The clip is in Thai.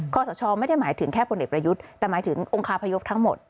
สชไม่ได้หมายถึงแค่พลเอกประยุทธ์แต่หมายถึงองคาพยพทั้งหมด